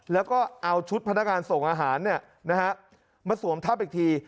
แล้วก็เอาชุดพนักงานส่งอาหารมาสวมทับอีกที